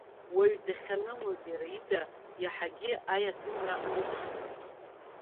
Уаҩ дахьанымыз, иара ида, иаҳагьы аиаҭымра аныԥшуан.